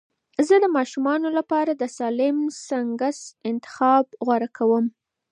زه د ماشومانو لپاره د سالم سنکس انتخاب غوره کوم.